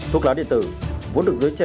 thuốc lá điện tử vốn được giới trẻ